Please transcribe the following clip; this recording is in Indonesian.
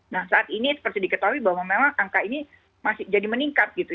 nah saat ini seperti diketahui bahwa memang angka ini masih jadi meningkat gitu